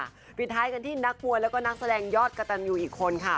สำคัญกันที่นักมวยแล้วก็นักแสดงยอดกระตานมิวอีกคนค่ะ